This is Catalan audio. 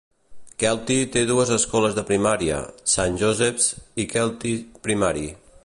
Kelty té dues escoles de primària, Saint Joseph's i Kelty Primary.